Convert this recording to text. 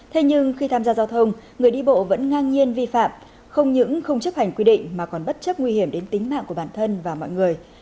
thế nhưng khi tham gia giao thông người đi bộ vẫn ngang nhiên vi phạm không những không chấp hành quy định mà còn bất chấp nguy hiểm đến tính mạng của bản thân và mọi người